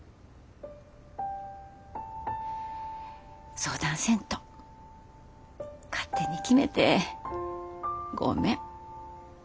相談せんと勝手に決めてごめん。